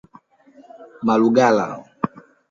Malugala